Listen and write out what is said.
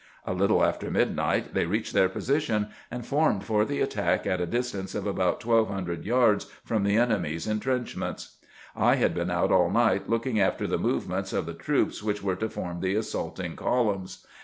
A little after midnight they reached their position, and formed for the attack at a distance of about twelve hundred yards from the enemy's in trenchments. I had been out all night looking after the movements of the troops which were to form the assaulting columns.